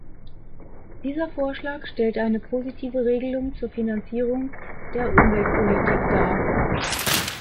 Dieser Vorschlag stellt eine positive Regelung zur Finanzierung der Umweltpolitikdar.